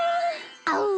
あう。